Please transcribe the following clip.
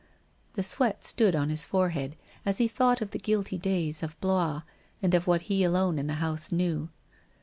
The sweat stood on his forehead as he thought of the guilty days of Blois, and of what he alone in the house knew.